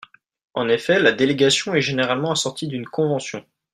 En effet, la délégation est généralement assortie d’une convention.